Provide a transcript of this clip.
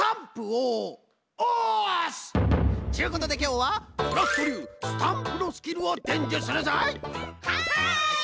ちゅうことできょうはクラフトりゅうスタンプのスキルをでんじゅするぞい！